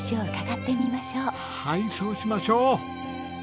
はいそうしましょう！